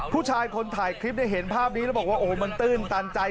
ผู้ชายคนถ่ายคลิปได้เห็นภาพนี้แล้วบอกว่าโอ้มันตื้นตันใจ